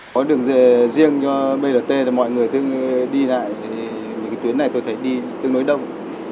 có đường riêng cho brt là mọi người thường đi lại thì những tuyến này tôi thấy đi tương đối đông